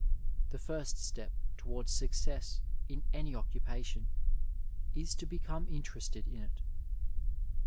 The very first step towards success in any occupa tion is to become mterested in it.